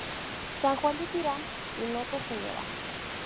San Juan de Tirán" y "Nosa Sra.